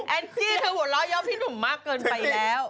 อัลตี้เธอหัวล้อนยอมที่หนุ่มมากเกินไปแล้ว